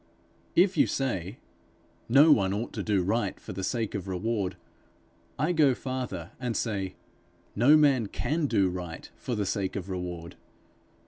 If you say, 'No one ought to do right for the sake of reward,' I go farther and say, 'No man can do right for the sake of reward.